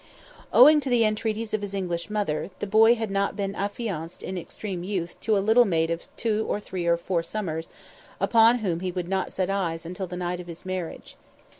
Owing to the entreaties of his English mother, the boy had not been affianced in extreme youth to a little maid of two or three or four summers, upon whom he would not have set eyes until the night of the marriage.